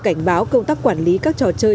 cảnh báo công tác quản lý các trò chơi